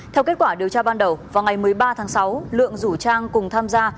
theo kết quả điều tra ban đầu vào ngày một mươi ba tháng sáu lượng rủ trang cùng tham gia